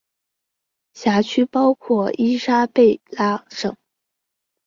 辖区包括伊莎贝拉省。